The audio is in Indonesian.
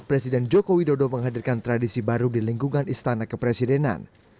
presiden joko widodo menghadirkan tradisi baru di lingkungan istana kepresidenan